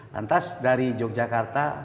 lantas dari yogyakarta